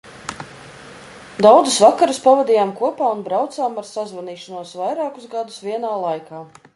Daudzus vakarus pavadījām kopā un braucām ar sazvanīšanos vairākus gadus vienā laikā.